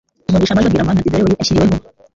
umugisha, maze abwira Mana ati: «Dore, uyu ashyiriweho